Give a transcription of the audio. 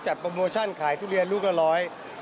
โปรโมชั่นขายทุเรียนลูกละร้อย